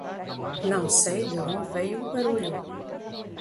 Não sei de onde veio o barulho.